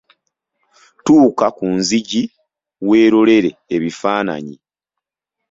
Tuuka ku nzigi weelolere ebifaananyi.